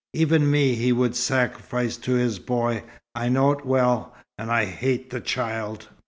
"Even me he would sacrifice to his boy. I know it well, and I hate the child.